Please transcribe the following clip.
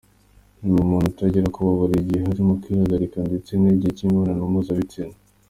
Nyuma umuntu atangira kubabara igihe arimo kwihagarika ndetse n’igihe cy’imibonano mpuzabitsina.